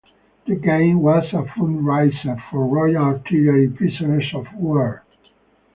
The game was a fundraiser for Royal Artillery prisoners of war.